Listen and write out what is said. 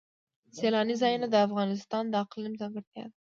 سیلانی ځایونه د افغانستان د اقلیم ځانګړتیا ده.